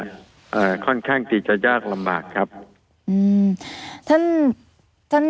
อยู่ด้วยเนี่ยอ่าค่อนข้างตีจะยากลำบากครับอืมท่านท่าน